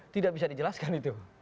tidak bisa dijelaskan itu